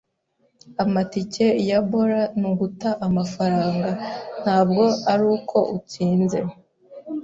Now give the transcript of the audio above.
"Amatike ya bora ni uguta amafaranga." "Ntabwo ari uko utsinze."